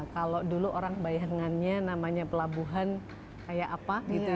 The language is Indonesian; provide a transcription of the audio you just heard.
kalau dulu orang bayangannya namanya pelabuhan kayak apa gitu ya